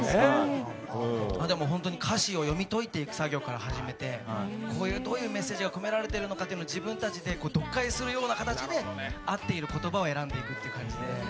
本当に歌詞を読み解いていく作業から始めてどういうメッセージが込められているのか、自分たちで読解するような形で、合っている言葉を選んでいくということで。